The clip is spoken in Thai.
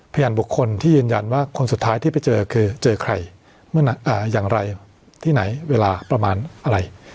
พยานบุคคลที่ยืนยันว่าคนสุดท้ายที่ไปเจอคือเจอใครเมื่ออย่างไรที่ไหนเวลาประมาณอะไร